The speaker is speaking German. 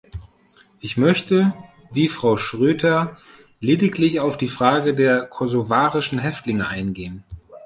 Ich möchte, wie Frau Schroedter, lediglich auf die Frage der kosovarischen Häftlinge eingehen.